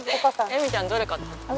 惠美ちゃんどれ買ったの？